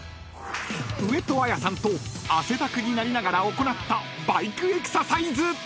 ［上戸彩さんと汗だくになりながら行ったバイクエクササイズ］